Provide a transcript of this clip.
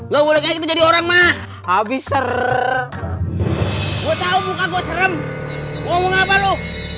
lo boleh jadi orang mah habis seru gue tahu buka gue serem ngomong apa lu